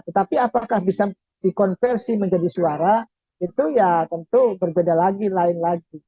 tetapi apakah bisa dikonversi menjadi suara itu ya tentu berbeda lagi lain lagi